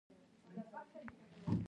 لا په هسکو سر درو کی، افغانی زمری غوریږی